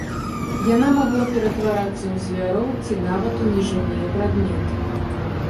Яна магла ператварацца ў звяроў ці нават у нежывыя прадметы.